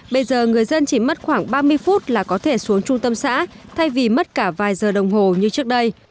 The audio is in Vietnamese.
bây giờ người dân chỉ mất khoảng ba mươi phút là có thể xuống trung tâm xã thay vì mất cả vài giờ đồng hồ như trước đây